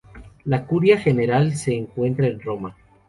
La curia general se encuentra en Roma.